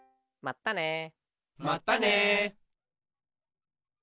まったね。